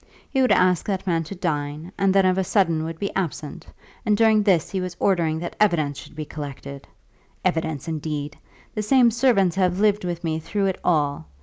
He would ask that man to dine, and then of a sudden would be absent; and during this he was ordering that evidence should be collected! Evidence, indeed! The same servants have lived with me through it all.